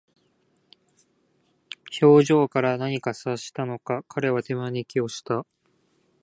表情から何か察したのか、彼は手招きをした。